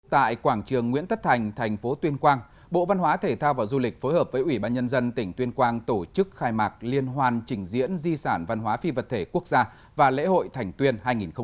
tại quảng trường nguyễn tất thành thành phố tuyên quang bộ văn hóa thể thao và du lịch phối hợp với ủy ban nhân dân tỉnh tuyên quang tổ chức khai mạc liên hoàn trình diễn di sản văn hóa phi vật thể quốc gia và lễ hội thành tuyên hai nghìn một mươi chín